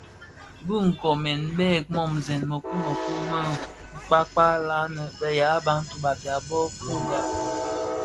Bë nkoomèn bèn Monzèn mëkuu mekuu mō kpakpag la nnë be ya bantu (Bafia) bö fuugha,